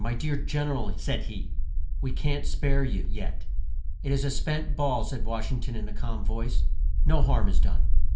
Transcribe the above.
"My dear Gen er al," said he, "we can't spare you yet." "It is a spent ball," said Wash ing ton in a calm voice; "no harm is done."